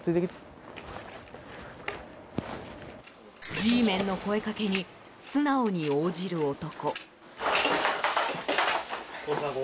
Ｇメンの声掛けに素直に応じる男。